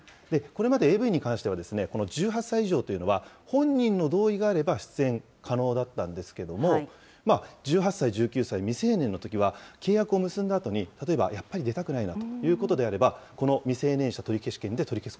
これまでＡＶに関しては、１８歳以上というのは本人の同意があれば出演可能だったんですけれども、１８歳・１９歳、未成年のときは、契約を結んだあとに、例えばやっぱり出たくないなということであれば、この未成年者取消権で取り